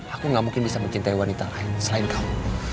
aku gak mungkin bisa mencintai wanita lain selain kamu